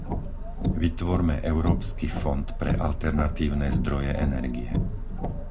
Vytvorme európsky fond pre alternatívne zdroje energie.